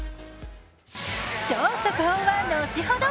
超速報は後ほど。